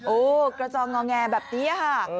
โอ้กระจองงอแงแบบนี้ครับ